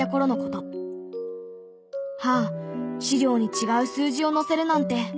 あ資料に違う数字を載せるなんて。